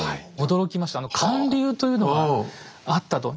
驚きました還流というのがあったと。